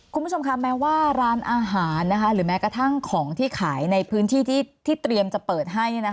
คุณผู้ชมคะแม้ว่าร้านอาหารหรือแม้กระทั่งของที่ขายในพื้นที่ที่เตรียมจะเปิดให้